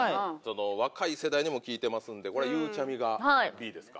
若い世代にも聞いてますんでゆうちゃみがＢですか。